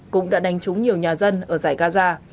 cũng đã đánh trúng nhiều nhà dân ở giải gaza